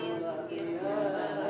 ya ampun ya mas